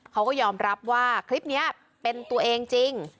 เขาก็ยอมรับว่าคลิปนี้เป็นตัวเองจริง